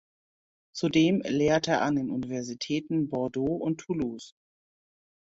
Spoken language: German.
Zudem lehrte er an den Universitäten Bordeaux und Toulouse.